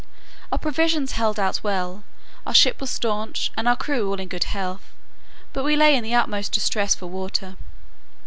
Our provisions held out well, our ship was staunch, and our crew all in good health; but we lay in the utmost distress for water.